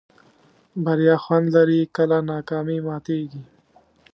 بریا خوند لري کله ناکامي ماتېږي.